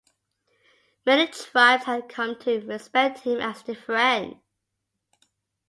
Many tribes had come to respect him as their friend.